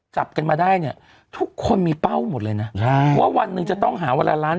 จับกันมาได้เนี่ยทุกคนมีเป้าหมดเลยนะใช่ว่าวันหนึ่งจะต้องหาเวลาล้าน